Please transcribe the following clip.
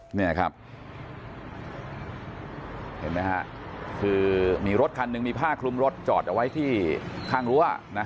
นี่แหละครับเห็นไหมฮะคือมีรถคันหนึ่งมีผ้าคลุมรถจอดเอาไว้ที่ข้างลัว